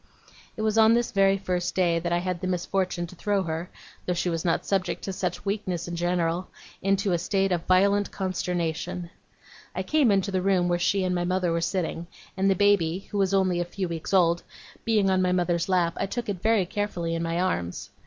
It was on this very first day that I had the misfortune to throw her, though she was not subject to such weakness in general, into a state of violent consternation. I came into the room where she and my mother were sitting; and the baby (who was only a few weeks old) being on my mother's lap, I took it very carefully in my arms.